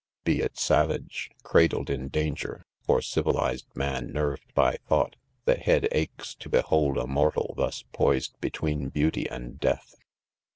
Be it savage, cradled in dan ger, or civilized man nerved by thought, the headaches to behold a mortal thus poised' be tween beauty and death.